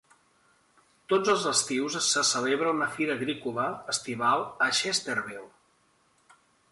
Tots els estius se celebra una fira agrícola estival a Chesterville.